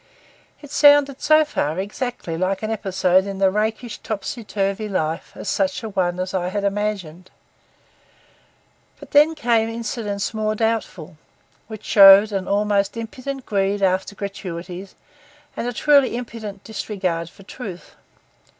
It sounded so far exactly like an episode in the rakish, topsy turvy life of such an one as I had imagined. But then there came incidents more doubtful, which showed an almost impudent greed after gratuities, and a truly impudent disregard for truth.